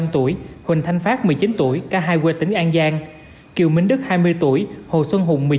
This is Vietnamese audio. hai mươi năm tuổi huỳnh thanh phát một mươi chín tuổi cả hai quê tỉnh an giang kiều minh đức hai mươi tuổi hồ xuân hùng